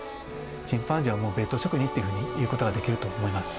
チンパンジーはもうベッド職人っていうふうにいうことができると思います。